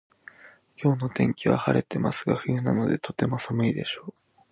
今日の天気は晴れてますが冬なのでとても寒いでしょう